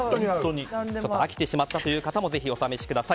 ちょっと飽きてしまったという方もぜひお試しください。